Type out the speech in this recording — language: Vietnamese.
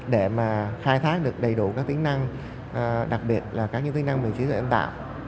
để mà khai thác được đầy đủ các tính năng đặc biệt là các tính năng bình chí dự án tạo